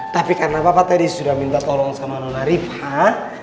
tapi karena bapak tadi sudah minta tolong sama non arifah